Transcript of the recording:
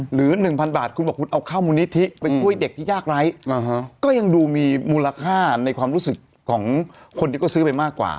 หรือ๑๐๐บาทคุณบอกคุณเอาเข้ามูลนิธิไปช่วยเด็กที่ยากไร้ก็ยังดูมีมูลค่าในความรู้สึกของคนที่เขาซื้อไปมากกว่า